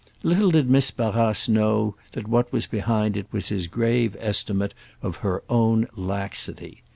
Little did Miss Barrace know that what was behind it was his grave estimate of her own laxity.